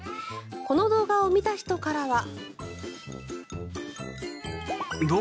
この動画を見た人からは。